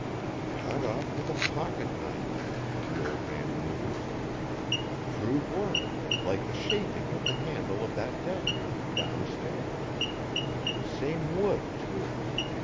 "Cut off with a pocket knife," the old man mused; "crude work, like the shaping of the handle of that dagger downstairs; same wood, too.